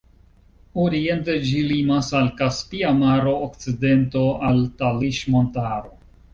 Oriente ĝi limas al Kaspia maro, okcidento al Taliŝ-Montaro.